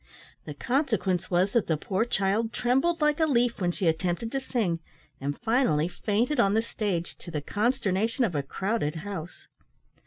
The consequence was that the poor child trembled like a leaf when she attempted to sing, and, finally, fainted on the stage, to the consternation of a crowded house.